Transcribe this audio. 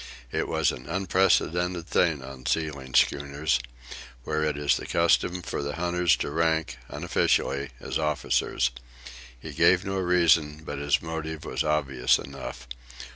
It was an unprecedented thing on sealing schooners, where it is the custom for the hunters to rank, unofficially as officers. He gave no reason, but his motive was obvious enough.